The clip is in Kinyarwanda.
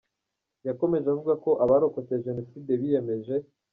Yakomeje avuga ko abarokotse Jenoside biyemeje.